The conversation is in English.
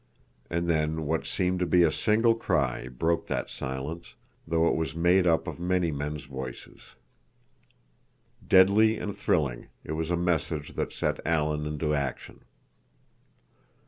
And then what seemed to be a single cry broke that silence, though it was made up of many men's voices. Deadly and thrilling, it was a message that set Alan into action.